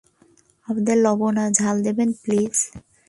আমাকে লবণ আর ঝাল দেবেন প্লিজ।